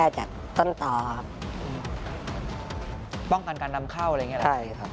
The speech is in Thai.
ใช่ครับ